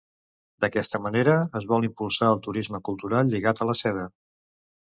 D'aquesta manera, es vol impulsar el turisme cultural lligat a la seda.